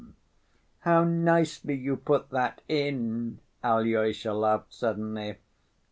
"How nicely you put that in!" Alyosha laughed suddenly.